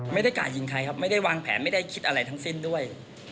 ไม่ได้กะยิงใครครับไม่ได้วางแผนไม่ได้คิดอะไรทั้งสิ้นด้วย